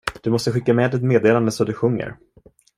Du måste skicka med ett meddelande så det sjunger.